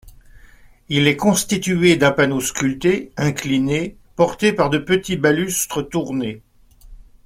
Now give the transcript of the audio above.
Il est constitué d'un panneau sculpté incliné, porté par de petits balustres tournés.